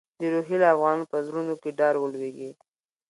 د روهیله افغانانو په زړونو کې ډار ولوېږي.